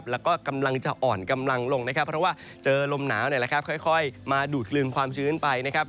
แล้วก็กำลังจะอ่อนกำลังลงนะครับเพราะว่าเจอลมหนาวค่อยมาดูดกลืนความชื้นไปนะครับ